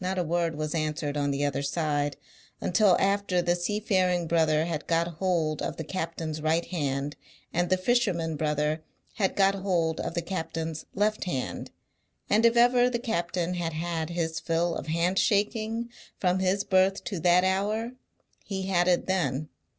Not a word was answered on the other side, until after the seafaring brother had got hold of the captain's right hand, and the fisherman brother had got hold of the captain's left hand; and if ever the captain had had his fill of hand shaking, from his birth to that hour, he had it then.